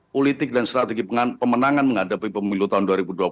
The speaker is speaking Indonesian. politik dan strategi pemenangan menghadapi pemilu tahun dua ribu dua puluh